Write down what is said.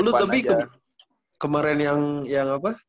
lu tapi kemarin yang apa